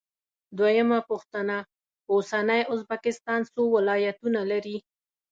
دویمه پوښتنه: اوسنی ازبکستان څو ولایتونه لري؟